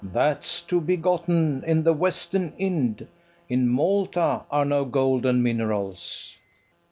That's to be gotten in the Western Inde: In Malta are no golden minerals. BASSO.